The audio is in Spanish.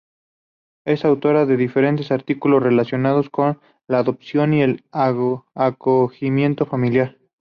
Es autora de diferentes artículos relacionados con la adopción y el acogimiento familiar.